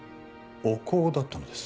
お香だったんです。